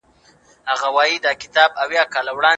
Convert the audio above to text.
صبر د تقدیر ښکلی تعبیر دی.